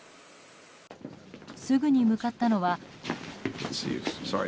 すぐに向かったのは。